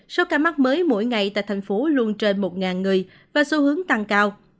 số ca mắc mới mỗi ngày tại thành phố luôn trên một người và xu hướng tăng cao